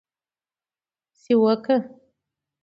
سیوکه: